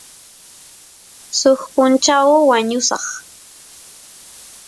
suk punchaw wañusaq